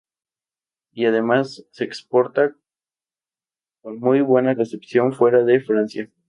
Y además, se exporta con muy buena recepción fuera de Francia.